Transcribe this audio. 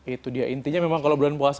itu dia intinya memang kalau bulan puasa